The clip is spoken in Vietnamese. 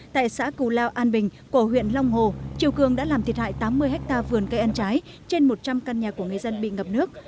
tại xã cù lao an bình cổ huyện long hồ chiều cường đã làm thiệt hại tám mươi ha vườn cây ăn trái trên một trăm linh căn nhà của người dân bị ngập nước